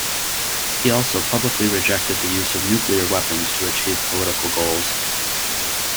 He also publicly rejected the use of nuclear weapons to achieve political goals.